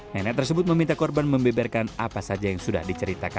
nenek tersebut meminta korban membeberkan apa saja yang sudah diceritakan